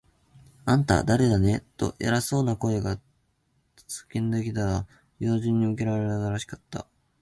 「あんた、だれだね？」と、偉そうな声が叫んだが、老人に向けられたらしかった。